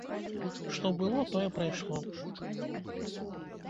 Што было, тое прайшло.